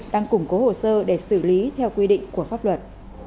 đang củng cố hồ sơ để xử lý theo quy định của pháp luật